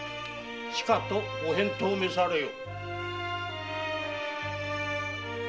しかとご返答めされよ！